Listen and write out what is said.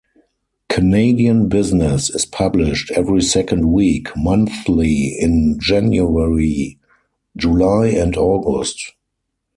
"Canadian Business" is published every second week, monthly in January, July and August.